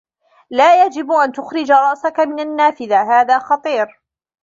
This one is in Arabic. لا يجب أن تخرج رأسك من النّافذة. هذا خطير.